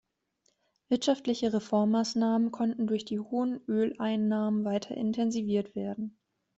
Wirtschaftliche Reformmaßnahmen konnten durch die hohen Öleinnahmen weiter intensiviert werden.